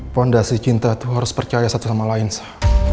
fondasi cinta itu harus percaya satu sama lain sih